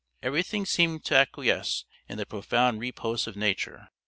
Everything seemed to acquiesce in the profound repose of Nature.